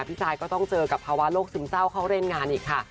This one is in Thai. จายก็ต้องเจอกับภาวะโรคซึมเศร้าเข้าเล่นงานอีกค่ะ